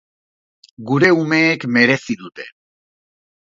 Gure umeek merezi dute.